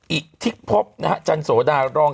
อิทิศพบจันทรโสดารอง